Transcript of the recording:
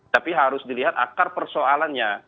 tapi harus dilihat akar persoalannya